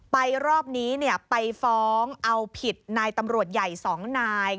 ไปรอบนี้เนี่ยไปฟ้องเอาผิดนายตำรวจใหญ่สองนาย